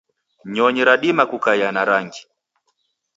nyonyi radima kukaia na rangi